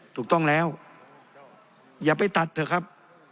ถูกต้องแล้วอย่าไปตัดเถอะครับ